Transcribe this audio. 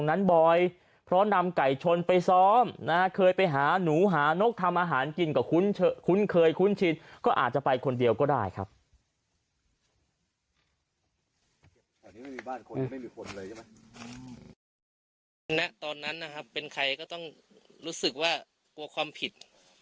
อันนี้ไม่มีบ้านคนยังไม่มีคนเลยใช่ไหมอืมตอนนั้นนะฮะเป็นใครก็ต้องรู้สึกว่ากลัวความผิด